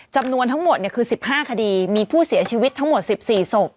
จำนวนทั้งหมดคือ๑๕คดีมีผู้เสียชีวิตทั้งหมด๑๔ศพ